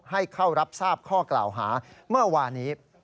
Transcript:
ให้เข้ารับทราบข้อกล่าวหาเมื่อวานี้